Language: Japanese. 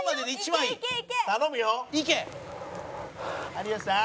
「有吉さん」